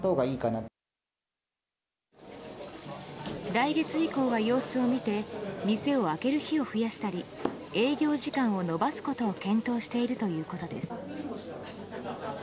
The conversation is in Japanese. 来月以降は様子を見て店を開ける日を増やしたり営業時間を延ばすことを検討しているということです。